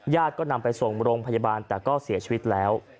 ก็นำไปส่งโรงพยาบาลแต่ก็เสียชีวิตแล้ว